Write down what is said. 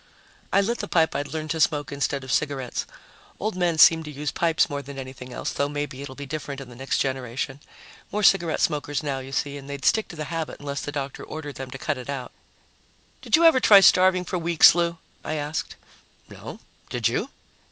I lit the pipe I'd learned to smoke instead of cigarettes old men seem to use pipes more than anything else, though maybe it'll be different in the next generation. More cigarette smokers now, you see, and they'd stick to the habit unless the doctor ordered them to cut it out. "Did you ever try starving for weeks, Lou?" I asked. "No. Did you?"